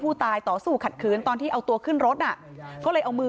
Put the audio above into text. ต่อสู้ขัดขืนตอนที่เอาตัวขึ้นรถน่ะก็เลยเอามือ